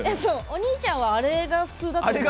お兄ちゃんはあれが普通だと思う。